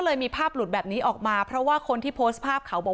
เลยมีภาพหลุดแบบนี้ออกมาเพราะว่าคนที่โพสต์ภาพเขาบอก